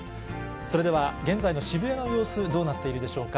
それでは現在の渋谷の様子、どうなっているでしょうか。